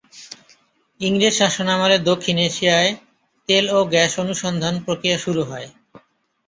ইংরেজ শাসনামলে দক্ষিণ এশিয়ায় তেল ও গ্যাস অনুসন্ধান প্রক্রিয়া শুরু হয়।